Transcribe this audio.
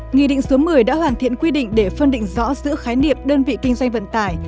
nghị định số một mươi đã hoàn thiện quy định để phân định rõ giữa khái niệm đơn vị kinh doanh vận tải